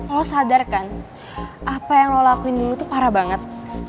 lo sadar kan apa yang lo lakuin dulu tuh parah banget